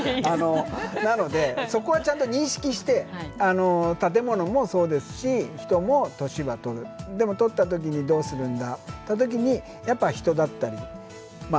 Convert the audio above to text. なのでそこはちゃんと認識して建物もそうですし人も年は取るでもとった時にどうするんだといった時にやっぱ人だったりまあ